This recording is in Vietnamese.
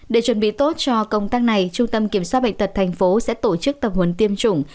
để chuẩn bị tốt cho công tác này trung tâm kiểm soát bệnh tật tp sẽ tổ chức tập huấn tiêm chủng